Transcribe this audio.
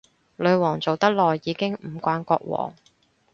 女皇做得耐，已經唔慣國王